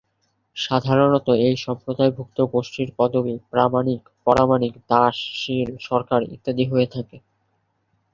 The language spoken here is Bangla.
সাধারণত এই সম্প্রদায় ভুক্ত গোষ্ঠীর পদবি প্রামানিক, পরামানিক, দাস, শীল, সরকার, ইত্যাদি হয়ে থাকে।